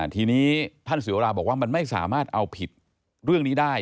ทีนี้ท่านศิวราบอกว่ามันไม่สามารถเอาผิดเรื่องนี้ได้